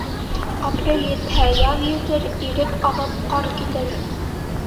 Апрель етһә, яҙ етер, иреп ағып ҡар китер.